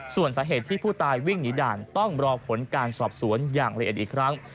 ส่วนสาเหตุที่ผู้ตายวิ่งหนีด่านต้องรอผลการสอบสวนอย่างละเอียดอีกครั้ง